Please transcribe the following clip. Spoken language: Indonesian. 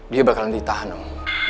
dia bakalan ditahan om